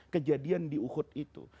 kejadian di uhud itu